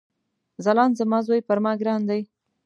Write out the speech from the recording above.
ځلاند زما ځوي پر ما ګران دی